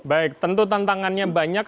baik tentu tantangannya banyak